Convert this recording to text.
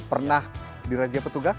pernah dirajia petugas